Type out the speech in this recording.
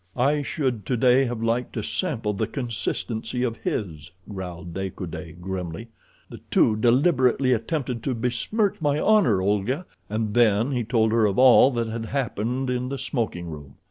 "I should today have liked to sample the consistency of his," growled De Coude grimly. "The two deliberately attempted to besmirch my honor, Olga," and then he told her of all that had happened in the smoking room.